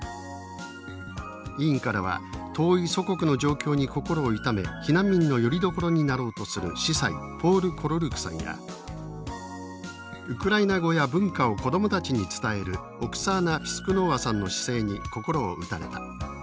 委員からは「遠い祖国の状況に心を痛め避難民のよりどころになろうとする司祭ポール・コロルークさんやウクライナ語や文化を子供たちに伝えるオクサーナ・ピスクノーワさんの姿勢に心を打たれた。